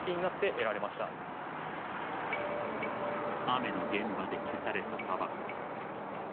雨の現場で消されたたばこ。